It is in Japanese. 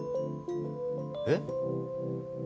えっ？